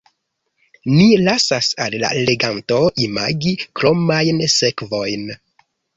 Ni lasas al la leganto imagi kromajn sekvojn.